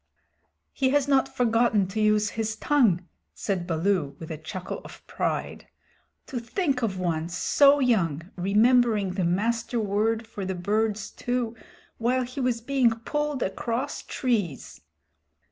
"He has not forgotten to use his tongue," said Baloo with a chuckle of pride. "To think of one so young remembering the Master Word for the birds too while he was being pulled across trees!"